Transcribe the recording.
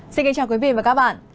xin kính chào quý vị và các bạn